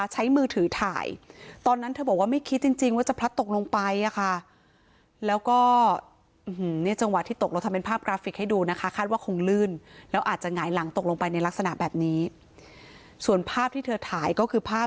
เหมือนกับเป็นรังบอกเหตุยังไงก็ไม่รู้นะคะขอไปนอนกับพ่อค่ะ